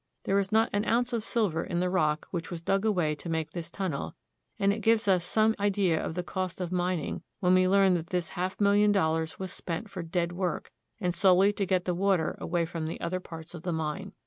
There was not an ounce of silver in the rock which was dug away to make this tunnel, and it gives us some idea of the cost of mining when we learn that this half million dollars was spent for dead work, and solely to get the water away from the other parts of the mine.